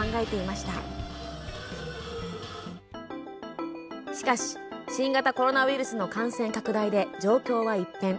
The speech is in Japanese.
しかし、新型コロナウイルスの感染拡大で状況は一変。